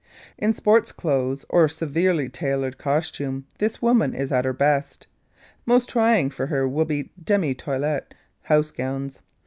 In sports clothes, or severely tailored costume, this woman is at her best. Most trying for her will be demi toilette (house gowns).